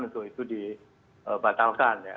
untuk itu dibatalkan ya